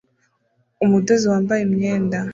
Umudozi wambaye imyenda